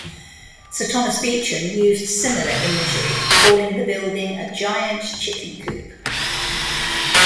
Sir Thomas Beecham used similar imagery, calling the building a "giant chicken coop".